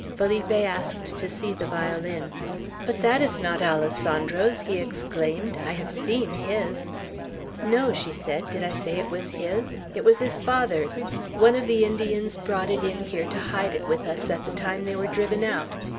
Felipe asked to see the violin. "But that is not Alessandro's," he exclaimed. "I have seen his." "No!" she said. "Did I say it was his? It was his father's. One of the Indians brought it in here to hide it with us at the time they were driven out.